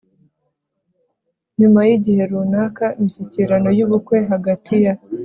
nyuma yigihe runaka, imishyikirano yubukwe hagati ya